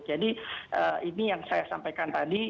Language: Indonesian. jadi ini yang saya sampaikan tadi